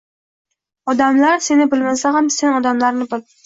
Odamlar seni bilmasa ham, sen odamlarni bil